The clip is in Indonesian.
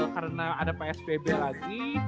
karena ada psbb lagi